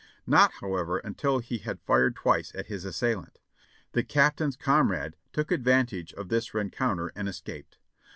Not, how ever, until he had fired twice at his assailant. The Captain's com rade took advantage of this rencounter and escaped.